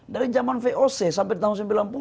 dari zaman voc sampai tahun sembilan puluh